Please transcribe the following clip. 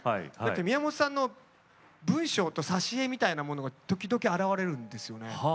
宮本さんは文章と挿絵みたいなものが時々現れるんですよね。